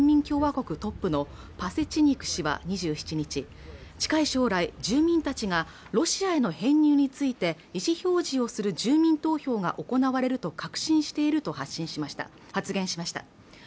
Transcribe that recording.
共和国トップのパセチニク氏は２７日近い将来住民たちがロシアへの編入について意思表示をする住民投票が行われると確信していると発言しました